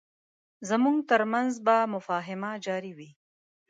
زموږ ترمنځ به مفاهمه جاري وي.